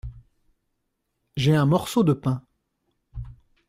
J’ai un morceau de pain.